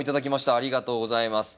ありがとうございます。